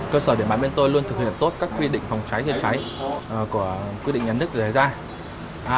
cơ sở điện bản bên tôi luôn thực hiện tốt các quy định phòng cháy chế cháy của quy định nhà nước dưới đây ra